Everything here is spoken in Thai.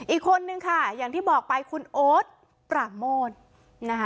อีกคนนึงค่ะอย่างที่บอกไปคุณโอ๊ตปราโมทนะคะ